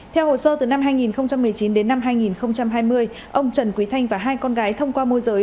theo hồ sơ từ năm hai nghìn một mươi chín đến năm hai nghìn hai mươi ông trần quý thanh và hai con gái thông qua môi giới